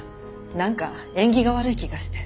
なんか縁起が悪い気がして。